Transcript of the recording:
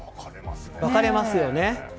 分かれますよね。